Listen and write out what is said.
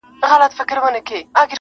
د مېږیانو کور له غمه نه خلاصېږي؛؛!